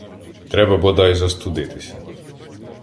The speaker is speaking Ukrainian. Треба бодай застудитися.